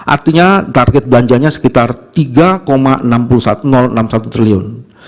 artinya target belanjanya sekitar tiga enam puluh satu triliun